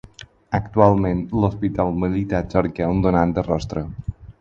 Actualment, l'Hospital Militar cerca un donant de rostre.